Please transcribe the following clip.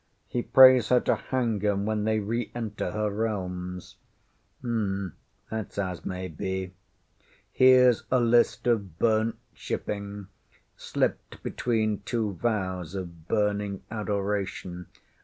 He prays her to hang ŌĆśem when they re enter her realms. (Hm, thatŌĆÖs as may be.) HereŌĆÖs a list of burnt shipping slipped between two vows of burning adoration.